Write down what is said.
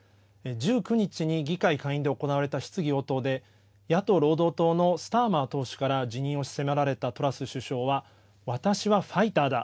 １９日に議会下院で行われた質疑応答で野党・労働党のスターマー党首から辞任を迫られたトラス首相は私はファイターだ